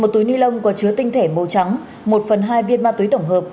một túi ni lông có chứa tinh thể màu trắng một phần hai viên ma túy tổng hợp